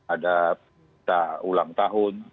ada ulang tahun